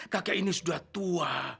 kakek ini sudah tua